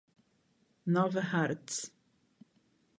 Nova Hartz